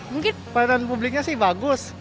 mungkin pelayanan publiknya sih bagus